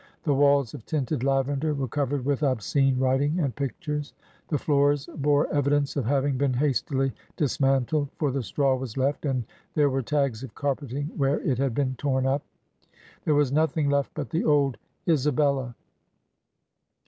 The walls of tinted lavender were covered with obscene writing and pictures. The floors bore evidence of having been hastily dismantled, for the straw was left and there were tags of carpeting where it had been torn up. There was nothing left but the old " Isabella.